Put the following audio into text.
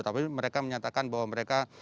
tapi mereka menyatakan bahwa mereka